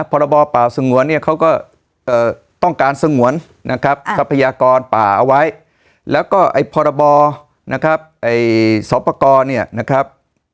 พรบป่าสงวนเนี้ยเขาก็เอ่อต้องการสงวนนะครับอ่าทรัพยากรป่าเอาไว้แล้วก็ไอพรบอนะครับไอศพกรเนี้ยนะครับ